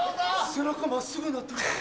・背中真っすぐになってる。